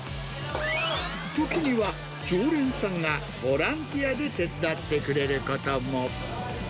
時には、常連さんがボランティアで手伝ってくれることも。